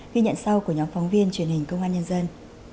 ghi nhận sau của nhóm phóng viên truyền hình công an nhân dân